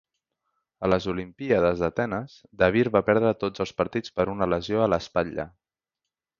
A les Olimpíades d"Atenes, Dabir va perdre tots els partits per una lesió a l"espatlla.